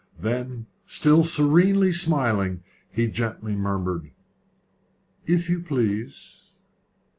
Then, still serenely smiling, he gently murmured, "If you please."